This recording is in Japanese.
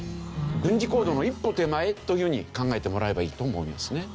軍事行動の一歩手前というふうに考えてもらえばいいと思いますね。